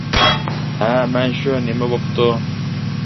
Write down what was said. — ھە، مەن شۇ، نېمە بوپتۇ.